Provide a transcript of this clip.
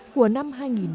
của năm hai nghìn hai mươi